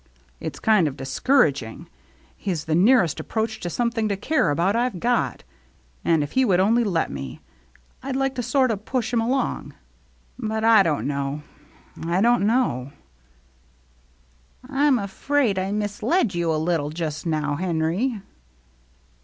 It's kind of discourag ing. He's the nearest approach to some thing to care about I've got, and if he would only let me, I'd like to sort o' push him along. But I don't know — I don't know." " I'm afraid I misled you a little just now, Henry."